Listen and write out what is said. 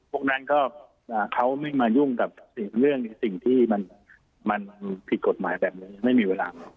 พวกนั้นเขาไม่มายุ่งกับเรื่องสิ่งที่มันผิดกฎหมายแบบนี้